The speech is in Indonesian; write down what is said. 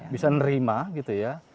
bisa nerima gitu ya